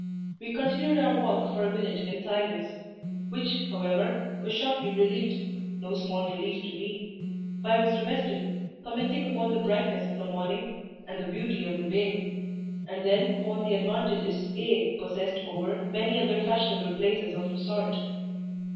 We continued our walk for a minute in silence; which, however, was shortly relieved (no small relief to me) by Mr. Weston commenting upon the brightness of the morning and the beauty of the bay, and then upon the advantages A—— possessed over many other fashionable places of resort.